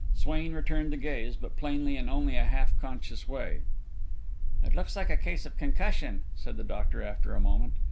Swain returned the gaze, but plainly in only a half conscious way. "It looks like a case of concussion," said the doctor, after a moment.